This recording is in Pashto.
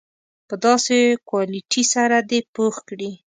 په داسې کوالیټي سره دې پوخ کړي.